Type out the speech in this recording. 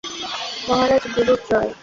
মহারাজ গুরুর জয়!